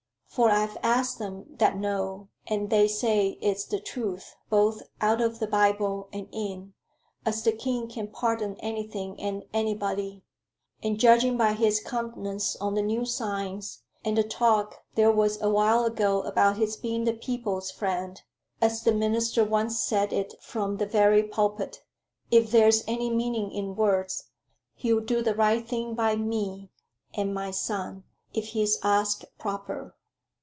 For I've asked them that know, and they say it's the truth, both out of the Bible, and in, as the king can pardon anything and anybody. And judging by his countenance on the new signs, and the talk there was a while ago about his being the people's friend, as the minister once said it from the very pulpit if there's any meaning in words, he'll do the right thing by me and my son, if he's asked proper."